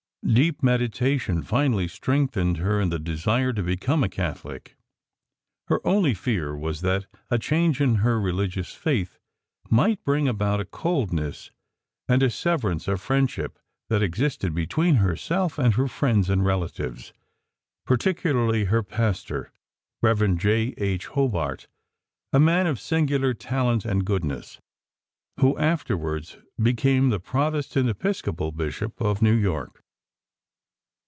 Deep meditation finally strengthened her in the desire to become a Catholic. Her only fear was that a change in her religious faith might bring about a coldness and a severance of the friendship that existed between herself and her friends and relatives particularly her pastor Rev. J. H. Hobart, a man of singular talent and goodness, who afterwards became the Protestant Episcopal Bishop of New York.